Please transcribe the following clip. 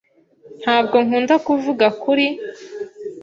Ntabwo nkunda kuvuga kuri